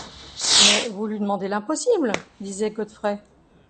Mais vous lui demandez l’impossible ! disait Godfrey.